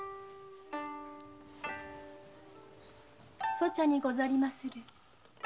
粗茶にござりまする。